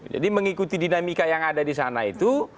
jadi mengikuti dinamika yang ada di sana itu